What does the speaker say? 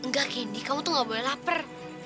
enggak kini kamu tuh gak boleh lapar